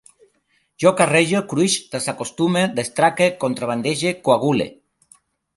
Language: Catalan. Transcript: Jo carrege, cruix, desacostume, desatraque, contrabandege, coagule